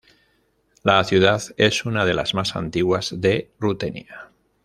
La ciudad es una de las más antiguas de Rutenia.